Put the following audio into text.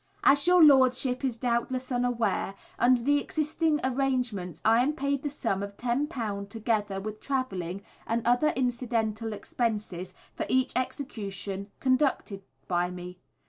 As your Lordship is doubtless aware, under the existing arrangements I am paid the sum of £10 together with travelling and other incidental expenses for each Execution conducted by me.